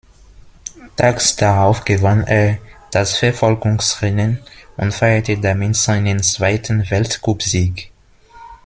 Tags darauf gewann er das Verfolgungsrennen und feierte damit seinen zweiten Weltcupsieg.